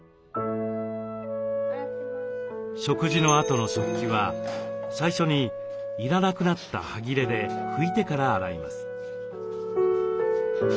食事のあとの食器は最初に要らなくなったはぎれで拭いてから洗います。